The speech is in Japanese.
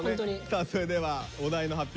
さあそれではお題の発表